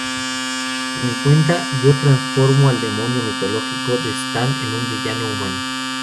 Por mi cuenta, yo transformó al demonio mitológico de Stan en un villano humano".